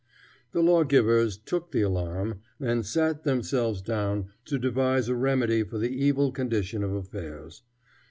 The lawgivers took the alarm and sat themselves down to devise a remedy for the evil condition of affairs.